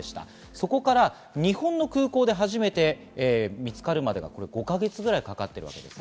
そこから日本の空港で初めて見つかるまでが５か月ぐらいかかっています。